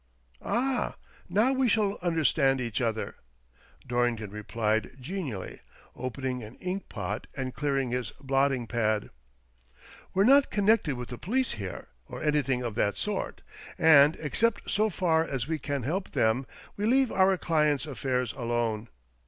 " Ah, now we shall understand each other," Dorrington replied genially, opening an ink pot and clearing his blotting pad. " We're not con nected with the police here, or anything of that sort, and except so far as we can help them we leave our client's affairs alone.